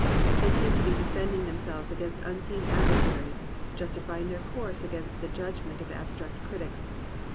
They seem to be defending themselves against unseen adversaries, justifying their course against the judgment of absent critics.